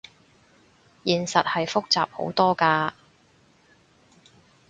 現實係複雜好多㗎